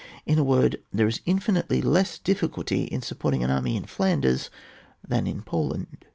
In a word, there is infinitely less dif ficulty in supporting an army in Flanders than in Poland.